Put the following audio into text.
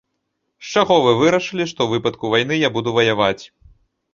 З чаго вы вырашылі, што ў выпадку вайны я буду ваяваць?